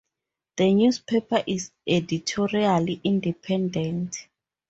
The newspaper is editorially independent.